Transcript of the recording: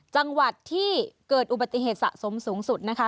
จังหวัดที่เกิดอุบัติเหตุสะสมสูงสุดนะคะ